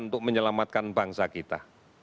untuk menyelamatkan bangsa kita